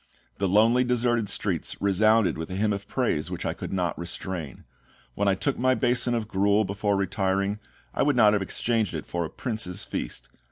The lonely, deserted streets resounded with a hymn of praise which I could not restrain. When I took my basin of gruel before retiring, I would not have exchanged it for a prince's feast.